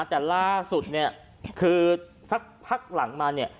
แต่ล่าสุดเนี่ยคือสักพักหลังมาเนี่ย